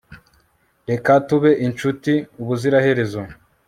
reka tube inshuti ubuziraherezo